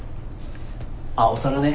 あっお皿ね。